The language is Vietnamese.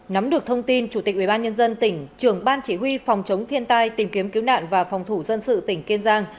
nắm được thông tin chủ tịch ubnd tỉnh trưởng ban chỉ huy phòng chống thiên tai tìm kiếm cứu nạn và phòng thủ dân sự tỉnh kiên giang